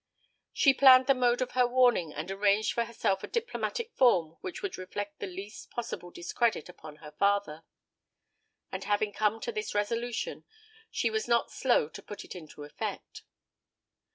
She planned the mode of her warning, and arranged for herself a diplomatic form which would reflect the least possible discredit upon her father; and having once come to this resolution, she was not slow to put it into effect.